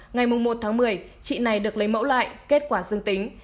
ngày một tháng một mươi chị này được lấy mẫu lại kết quả dương tính